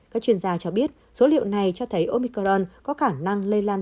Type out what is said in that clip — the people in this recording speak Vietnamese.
các chuyên gia cho biết số liệu này cho thấy omicron có khả năng lây lan